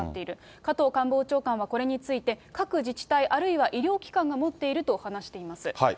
加藤官房長官はこれについて、各自治体、あるいは医療機関が持っていると話しています。